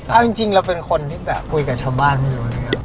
เอาจริงเราเป็นคนที่แบบคุยกับชาวบ้านไม่รู้